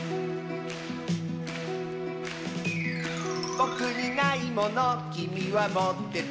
「ぼくにないものきみはもってて」